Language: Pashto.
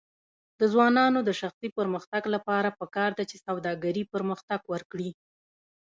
د ځوانانو د شخصي پرمختګ لپاره پکار ده چې سوداګري پرمختګ ورکړي.